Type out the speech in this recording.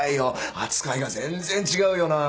扱いが全然違うよな。